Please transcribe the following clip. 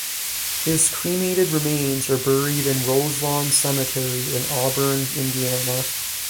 His cremated remains are buried in Roselawn Cemetery in Auburn, Indiana.